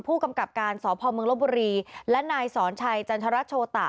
ผู้กำกับการสพมลบบุรีและนายสอนชัยจันทรโชตะ